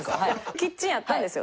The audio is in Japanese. キッチンやったんですよ。